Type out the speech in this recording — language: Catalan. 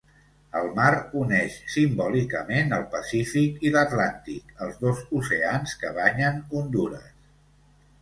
El mar uneix simbòlicament el Pacífic i l'Atlàntic, els dos oceans que banyen Hondures.